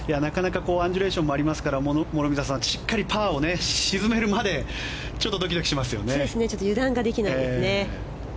アンジュレーションもありますから諸見里さん、しっかりパーを沈めるまで油断できないですね。